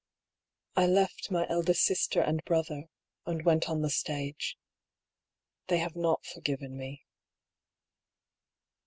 " I left my elder sister and brother, and went on the stage. They have not forgiven me.